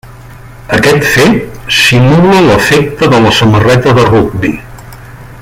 Aquest fet simula l’efecte de la samarreta de rugbi.